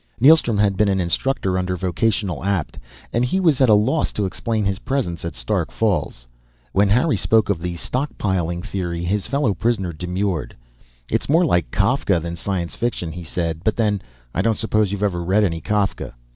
Neilstrom had been an instructor under Vocational Apt, and he was at a loss to explain his presence at Stark Falls. When Harry spoke of the stockpiling theory, his fellow prisoner demurred. "It's more like Kafka than science fiction," he said. "But then, I don't suppose you've ever read any Kafka."